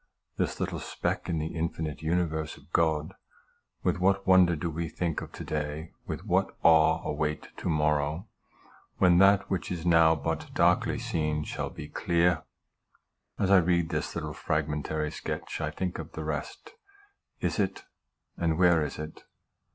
this little speck in the infinite uni verse of God, with what wonder do we think of to day, with what awe await to morrow, when that which is now but darkly seen shall be clear ! As I read this little fragmentary sketch, I think of the rest. Is it? And where is it